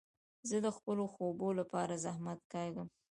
زه د خپلو خوبو له پاره زحمت کاږم.